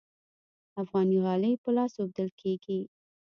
افغاني غالۍ په لاس اوبدل کیږي